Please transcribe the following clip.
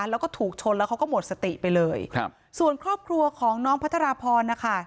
แล้วก็ถูกชนแล้วเขาก็หมดสติไปเลยครับส่วนครอบครัวของน้องพัทรพรนะคะ